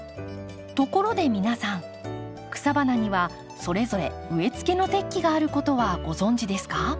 ところで皆さん草花にはそれぞれ植えつけの適期があることはご存じですか？